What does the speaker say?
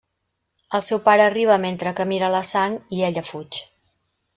El seu pare arriba mentre que mira la sang, i ella fuig.